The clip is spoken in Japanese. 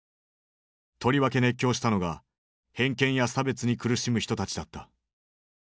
とりわけ熱狂したのが偏見や差別に苦しむ人たちだった。